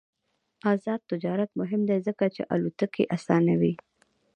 آزاد تجارت مهم دی ځکه چې الوتکې اسانوي.